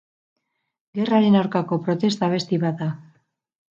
Gerraren aurkako protesta abesti bat da.